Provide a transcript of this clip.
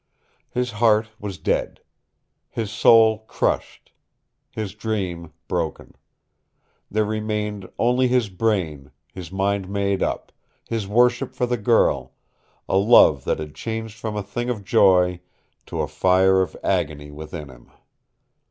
His heart was dead. His soul crushed. His dream broken. There remained only his brain, his mind made up, his worship for the girl a love that had changed from a thing of joy to a fire of agony within him.